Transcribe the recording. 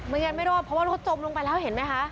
ไม่งั้นไม่เริ่มเพราะว่ารถจบลงไปแล้วเห็นมีคะ